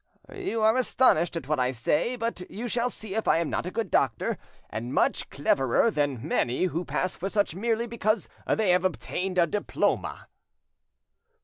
You are astonished at what I say, but you shall see if I am not a good doctor, and much cleverer than many who pass for such merely because the have obtained a diploma."